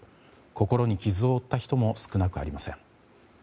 心に傷を負った人も少なくなりません。